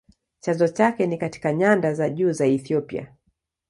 Chanzo chake ni katika nyanda za juu za Ethiopia.